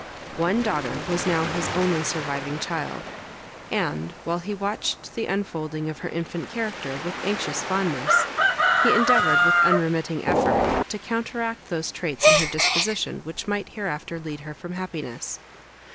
One daughter was now his only surviving child; and, while he watched the unfolding of her infant character, with anxious fondness, he endeavoured, with unremitting effort, to counteract those traits in her disposition, which might hereafter lead her from happiness.